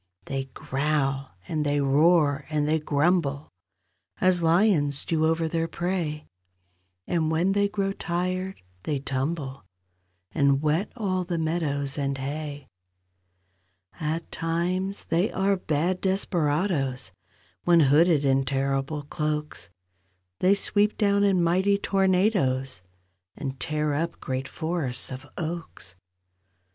They growl, and they roar, and they grumble, As lions do over their prey, And when they grow tired they tumble And wet all the meadows and hay. At times they are bad desperadoes— When hooded in terrible cloaks— They sweep down in mighty tornadoes And tear up great forests of oaks.